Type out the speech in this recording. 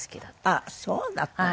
あらそうだったの。